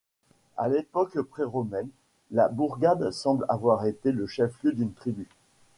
À l’époque pré-romaine, la bourgade semble avoir été le chef-lieu d’une tribu.